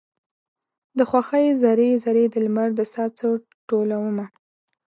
د خوښۍ ذرې، ذرې د لمر د ساه څه ټولومه